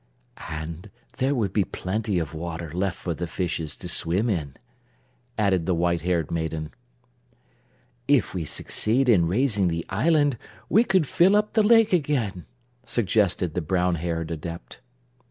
"And there would be plenty of water left for the fishes to swim in," added the white haired maiden. "If we succeed in raising the island we could fill up the lake again," suggested the brown haired Adept.